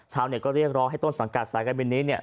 ชาวก็เรียกร้องให้ต้นสังกัดสายการเบนนี้